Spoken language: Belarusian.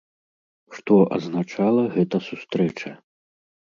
Што азначала гэта сустрэча?